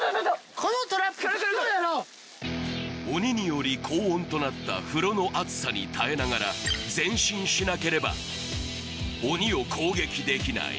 鬼により高温となった風呂の熱さに耐えながら前進しなければ鬼を攻撃できない